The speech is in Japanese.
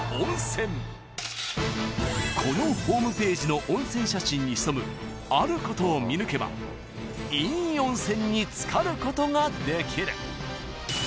［このホームページの温泉写真に潜むあることを見抜けばいい温泉に漬かることができる］